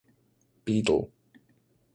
Beadle.